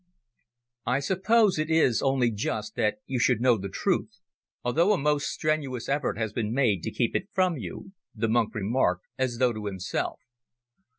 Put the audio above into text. "I suppose it is only just that you should now know the truth, although a most strenuous effort has been made to keep it from you," the monk remarked, as though to himself.